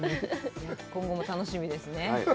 今後も楽しみですね。